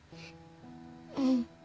うん。